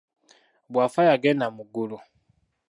Bw’afa yagenda mu ggulu.